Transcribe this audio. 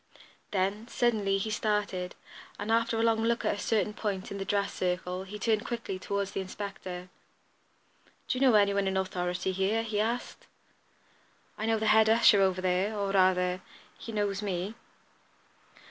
Then, suddenly, he started, and, after a long look at a certain point in the dress circle, he turned quickly toward the inspector. "Do you know any one in authority here?" he asked. "I know the head usher over there; or, rather, he knows me."